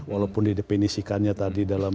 walaupun didefinisikannya tadi dalam